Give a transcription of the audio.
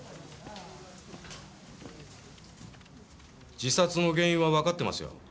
自殺の原因はわかってますよ。